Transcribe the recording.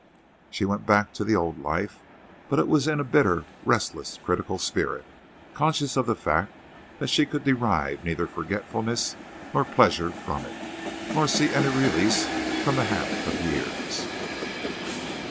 She went back to the old life. But it was in a bitter, restless, critical spirit, conscious of the fact that she could derive neither forgetfulness nor pleasure from it, nor see any release from the habit of years.